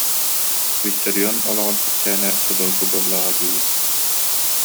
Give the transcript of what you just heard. Виссарион олоҕун кэпсээнэ судургу буоллаҕа дии